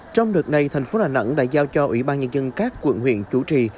trong đợt này thành phố đà nẵng đã giao cho ủy ban nhân dân các quận huyện chủ trì